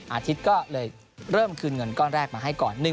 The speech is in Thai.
อาทิตย์ก็เลยเริ่มคืนเงินก้อนแรกมาให้ก่อน